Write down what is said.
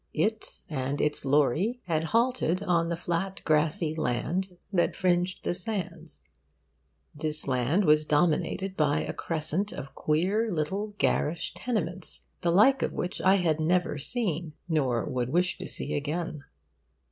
It and its lorry had halted on the flat grassy land that fringed the sands. This land was dominated by a crescent of queer little garish tenements, the like of which I had never seen, nor would wish to see again.